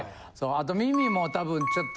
あと多分ちょっと。